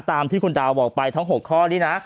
ตามที่คุณดาวบอกไปทั้ง๖ข้อนี้นะ